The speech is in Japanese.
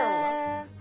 え。